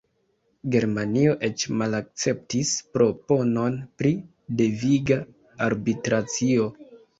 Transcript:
Germanio eĉ malakceptis proponon pri deviga arbitracio.